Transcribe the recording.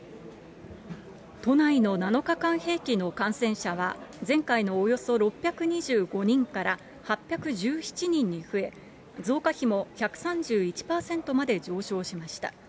都内の７日間平均の感染者は、前回のおよそ６２５人から８１７人に増え、増加比も１３１％まで上昇しました。